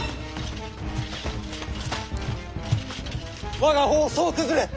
我が方総崩れ！